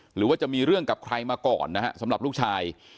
หรือว่าจะมีเรื่องกับใครมาก่อนนะฮะสำหรับลูกชาย